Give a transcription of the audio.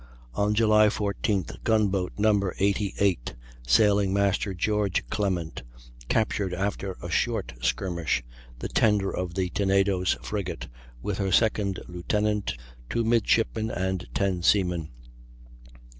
On July 14th Gun boat No. 88, Sailing master George Clement, captured after a short skirmish the tender of the Tenedos frigate, with her second lieutenant, 2 midshipmen, and 10 seamen.